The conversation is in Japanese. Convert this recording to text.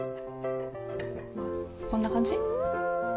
こんな感じ？